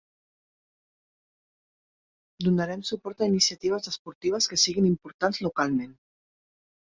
Donarem suport a iniciatives esportives que siguin importants localment.